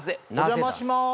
お邪魔します